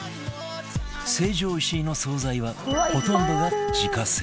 成城石井の惣菜はほとんどが自家製